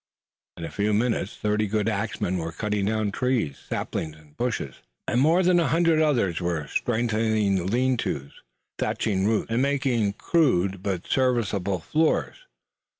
In a few minutes thirty good axmen were cutting down trees, saplings and bushes, and more than a hundred others were strengthening the lean tos, thatching roofs, and making rude but serviceable floors.